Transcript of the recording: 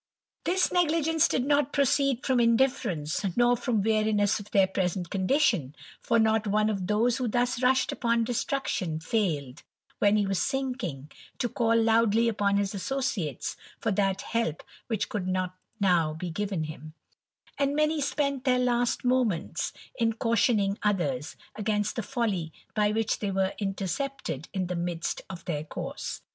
This negligence did not proceed from indifference, or from weariness of their present condition ; for not one of those who thus rushed upon destruction, failed, when he was sinking, to call loudly upon his associates f(tf that help which could not now be given him ; and many spent their last moments in cautioning others against the folly by which they were intercepted in the midst of their course.